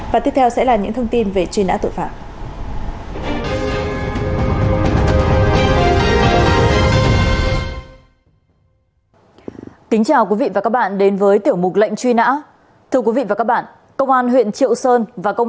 và tiếp theo sẽ là những thông tin về chuyên án tội phạm